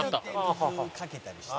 「水かけたりして」